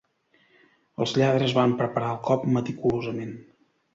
Els lladres van preparar el cop meticulosament.